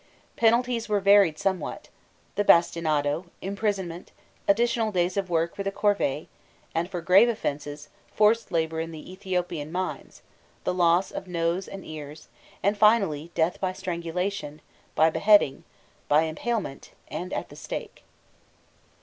Penalties were varied somewhat the bastinado, imprisonment, additional days of work for the corvée, and, for grave offences, forced labour in the Ethiopian mines, the loss of nose and ears, and finally, death by strangulation, by beheading,* by empalement, and at the stake.